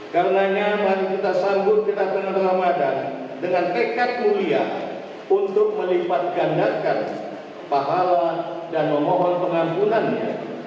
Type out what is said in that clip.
karenanya mari kita sambut kita dengan ramadan dengan tekat mulia untuk melipat gandarkan pahala dan memohon pengampunannya